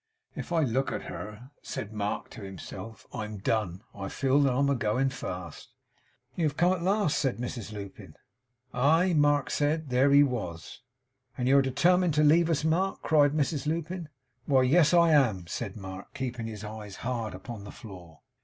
'If I look at her,' said Mark to himself, 'I'm done. I feel that I'm a going fast.' 'You have come at last,' said Mrs Lupin. Aye, Mark said: There he was. 'And you are determined to leave us, Mark?' cried Mrs Lupin. 'Why, yes; I am,' said Mark; keeping his eyes hard upon the floor.